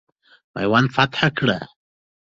میوند فتح کړه.